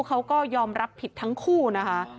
เขาก็ยอมรับผิดทั้งคู่นะคะ